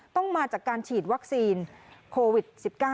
ต้องมาจากการฉีดวัคซีนโควิด๑๙